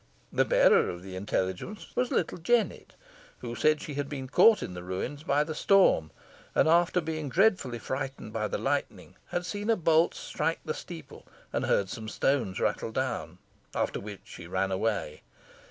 The bearer of the intelligence was little Jennet, who said she had been caught in the ruins by the storm, and after being dreadfully frightened by the lightning, had seen a bolt strike the steeple, and heard some stones rattle down, after which she ran away.